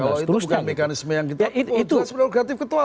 kalau itu bukan mekanisme yang kita